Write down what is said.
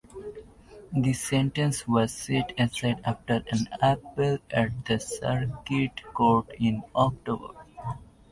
This sentence was set aside after an appeal at the circuit court in October.